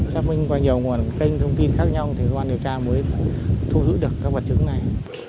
xác minh qua nhiều nguồn kênh thông tin khác nhau thì cơ quan điều tra mới thu giữ được các vật chứng này